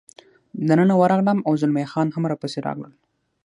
دننه ورغلم، او زلمی خان هم را پسې راغلل.